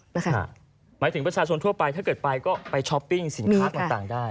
หมายถึงประชาชนทั่วไปถ้าเกิดไปก็ไปช้อปปิ้งสินค้าต่างได้